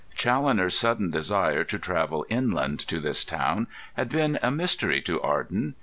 Challoner's sudden desire to travel inland to this town had been a mystery to Arden.